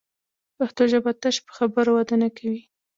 پښتو ژبه تش په خبرو وده نه کوي